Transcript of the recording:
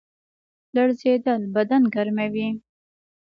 لړزیدل بدن ګرموي